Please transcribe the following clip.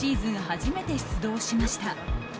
初めて出動しました。